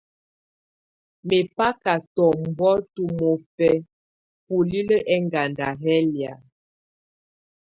Mɛbaka tɔbɔŋtɔ̀ mɔbɛ̀á bulilǝ́ ɛŋganda yɛ̀ lɛ̀á.